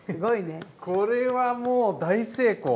これはもう大成功！